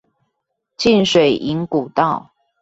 浸水營古道